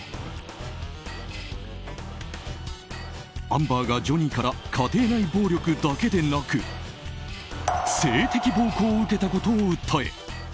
アンバーがジョニーから家庭内暴力だけでなく性的暴行を受けたことを訴え